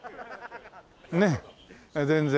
ねっ全然。